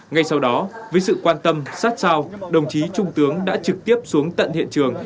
ngay sau đó với sự quan tâm sát sao đồng chí trung tướng đã trực tiếp xuống tận hiện trường